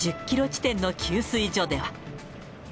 １０キロ地点の給水所では。